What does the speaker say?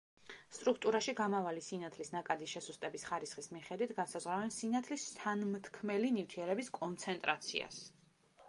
სტრუქტურაში გამავალი სინათლის ნაკადის შესუსტების ხარისხის მიხედვით განსაზღვრავენ სინათლის შთანმთქმელი ნივთიერების კონცენტრაციას.